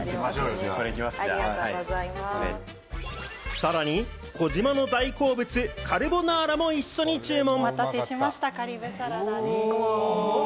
さらに児嶋の大好物、カルボナーラも一緒に注文。